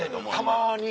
たまに。